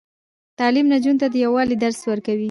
تعلیم نجونو ته د یووالي درس ورکوي.